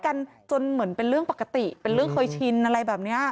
ก็เบียบได้เจ๋งไนท์จนเหมือนเป็นเรื่องปกติเป็นเรื่องเคยชินอะไรแบบเนี้ย